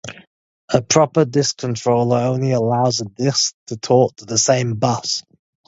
A proper disk controller only allows a "disk" to talk to the same bus.